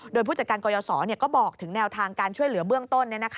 โดยผู้จัดการกยศก็บอกถึงแนวทางการช่วยเหลือเบื้องต้น